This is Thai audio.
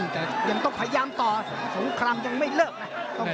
แต่ยังต้องพยายามต่อสงครามยังไม่เลิกนะ